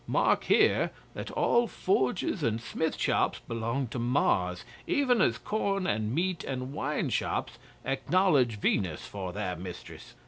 Mark here, that all forges and smith shops belong to Mars, even as corn and meat and wine shops acknowledge Venus for their mistress.